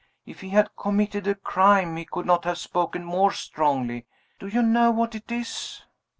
If he had committed a crime he could not have spoken more strongly. Do you know what it is?"